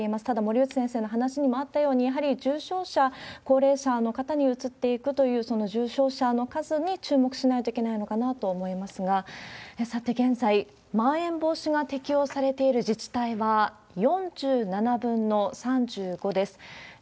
ただ、森内先生の話にもあったように、やはり重症者、高齢者の方にうつっていくという、その重症者の数に注目しないといけないのかなと思いますが、さて現在、まん延防止が適用されている自治体は４７分の３５です。